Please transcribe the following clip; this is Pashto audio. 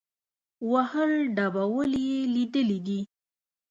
وهل ډبول یې لیدلي دي.